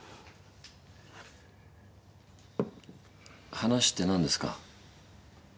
話って何ですか？